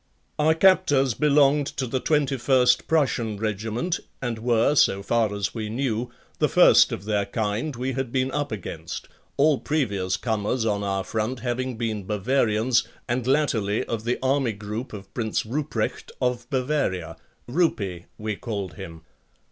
Our captors belonged to the Twenty first Prussian Regiment and were, so far as we knew, the first of their kind we had been up against, all previous comers on our front having been Bavarians and latterly of the army group of Prince Ruprecht of Bavaria "Rupie," we called him.